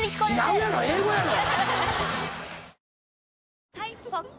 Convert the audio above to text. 違うやろ英語やろ！